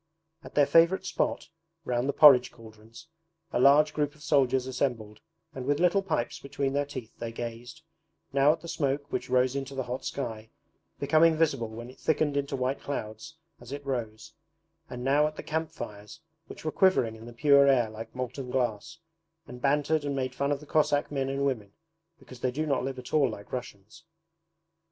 At their favourite spot, round the porridge cauldrons, a large group of soldiers assembled and with little pipes between their teeth they gazed, now at the smoke which rose into the hot sky, becoming visible when it thickened into white clouds as it rose, and now at the camp fires which were quivering in the pure air like molten glass, and bantered and made fun of the Cossack men and women because they do not live at all like Russians.